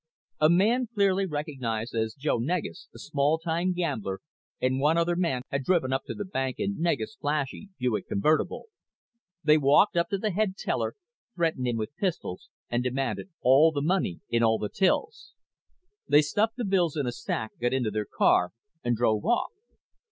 A man clearly recognized as Joe Negus, a small time gambler, and one other man had driven up to the bank in Negus' flashy Buick convertible. They walked up to the head teller, threatened him with pistols and demanded all the money in all the tills. They stuffed the bills in a sack, got into their car and drove off.